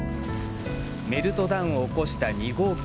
メルトダウンを起こした２号機。